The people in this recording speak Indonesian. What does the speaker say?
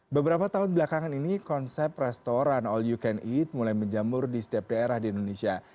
beberapa tahun belakangan ini konsep restoran all you can eat mulai menjamur di setiap daerah di indonesia